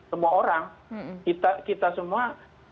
semua orang kita semua